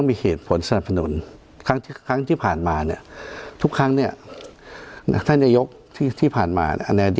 นะครับก็เอาอย่างนั้นละกันนะครับ